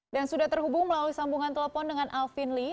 dan sudah terhubung melalui sambungan telepon dengan alvin lee